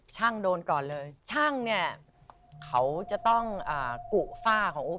ช่างโดนก่อนเลยช่างเนี่ยเขาจะต้องกุฝ้าของอุ๊